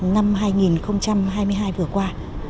năm hai nghìn hai mươi hai vừa qua